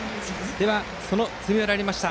では、詰め寄られました